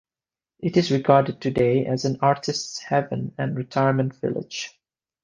It is regarded today as an artist's haven and retirement village.